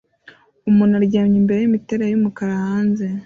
Umuntu aryamye imbere yimiterere yumukara hanze